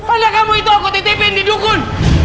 pada kamu itu aku titipin di dukun